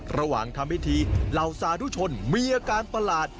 ระหว่างทำพิธีเหล่าสาธุชนมีอาการประหลาด